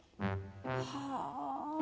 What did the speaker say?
はあ。